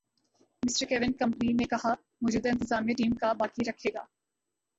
mister کیون company نے کہا موجودہ انتظامیہ ٹیم کا باقی رکھے گا